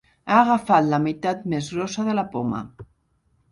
Ha agafat la meitat més grossa de la poma.